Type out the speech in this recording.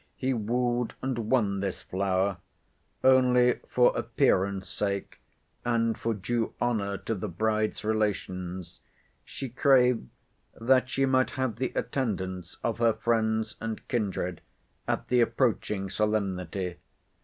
He wooed and won this flower. Only for appearance' sake, and for due honour to the bride's relations, she craved that she might have the attendance of her friends and kindred at the approaching solemnity.